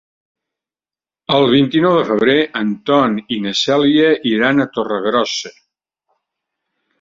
El vint-i-nou de febrer en Ton i na Cèlia iran a Torregrossa.